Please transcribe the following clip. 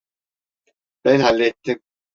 Ben hallettim.